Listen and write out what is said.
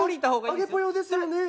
あげぽよですよね